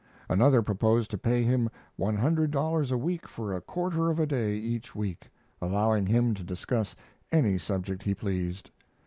Another proposed to pay him one hundred dollars a week for a quarter of a day each week, allowing him to discuss any subject he pleased.